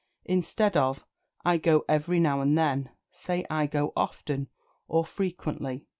Instead of "I go every now and then," say "I go often, or frequently."